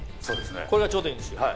これがちょうどいいんですよ。